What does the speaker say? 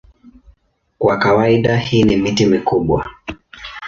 Kwa kawaida hii ni miti mikubwa.